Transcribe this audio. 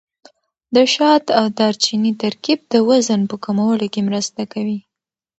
د شات او دارچیني ترکیب د وزن په کمولو کې مرسته کوي.